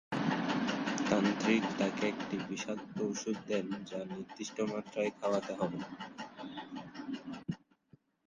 তান্ত্রিক তাকে একটি বিষাক্ত ওষুধ দেন যা নির্দিষ্ট মাত্রায় খাওয়াতে হবে।